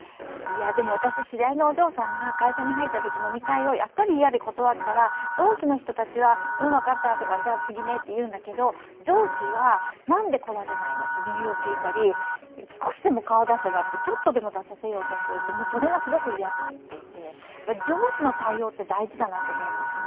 でも、私、知り合いのお嬢さんが会社に入ったとき、飲み会をやっぱりいやで断ったら、同期の人たちは、うん、分かったじゃ、次ねと言うんだけど上司は、何で来られないの？と理由を聞いたり、少しでも顔を出せばとちょっとでも出させようとする、それがすごくいやと言って、上司の対応って大事だなと思うんですよね。